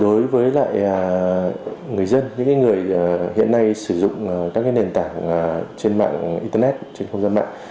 đối với lại người dân những người hiện nay sử dụng các nền tảng trên mạng internet trên không gian mạng